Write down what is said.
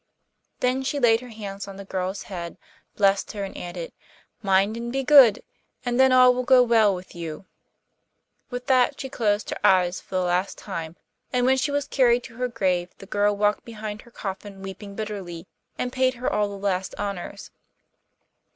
Then she laid her hands on the girl's head, blessed her, and added: 'Mind and be good, and then all will go well with you.' With that she closed her eyes for the last time, and when she was carried to her grave the girl walked behind her coffin weeping bitterly, and paid her all the last honours.